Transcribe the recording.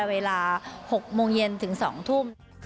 เวลา๖โมงเย็นถึง๒ทุ่ม